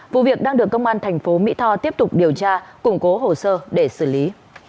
vụ việc đang được công an thành phố mỹ tho tiếp tục điều tra củng cố hồ sơ để xử lý